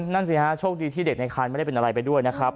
นั่นสิฮะโชคดีที่เด็กในคันไม่ได้เป็นอะไรไปด้วยนะครับ